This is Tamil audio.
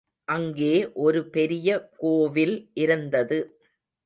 அங்கே ஒரு பெரிய கோவில் இருந்தது.